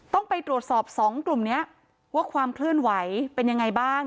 ต้องไปตรวจสอบ๒กลุ่มนี้ว่าความเคลื่อนไหวเป็นยังไงบ้าง